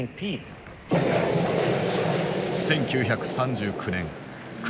１９３９年９月。